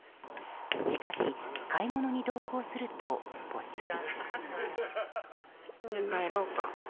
しかし、買い物に同行するとぽつり。